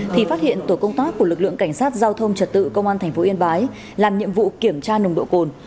thì phát hiện tổ công tác của lực lượng cảnh sát giao thông trật tự công an tp yên bái làm nhiệm vụ kiểm tra nồng độ cồn